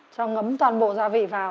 cho ngấm toàn bộ gia vị vào